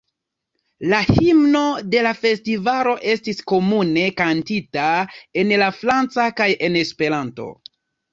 La himno de la festivalo estis komune kantita en la franca kaj en Esperanto.